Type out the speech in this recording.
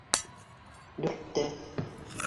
Дүрттә.